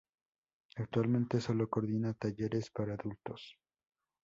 Actualmente sólo coordina talleres para adultos.